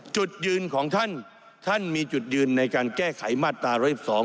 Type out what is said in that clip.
จุดยืนของท่านท่านมีจุดยืนในการแก้ไขมาตรา๑๑๒